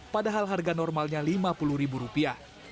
padahal harga normalnya lima puluh ribu rupiah